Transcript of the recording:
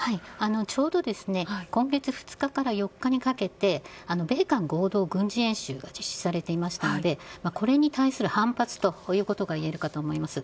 ちょうど今月２日から４日にかけて米韓合同軍事演習が実施されていましたのでこれに対する反発ということがいえるかと思います。